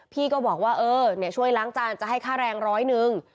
พี่ก็บอกว่าเออช่วยล้างจานจะให้ค่าแรงร้อยหนึ่ง